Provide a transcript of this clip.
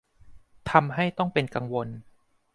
ทำให้ต้องเป็นกังวล